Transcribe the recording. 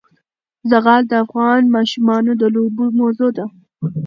زغال د افغان ماشومانو د لوبو موضوع ده.